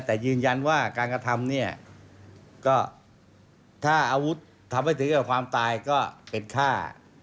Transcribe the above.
แต่ยืนยันว่าการกระทำเนี่ยก็ถ้าอาวุธทำให้ถึงกับความตายก็เป็นฆ่า